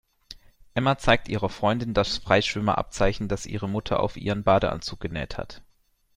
Emma zeigt ihrer Freundin das Freischwimmer-Abzeichen, das ihre Mutter auf ihren Badeanzug genäht hat.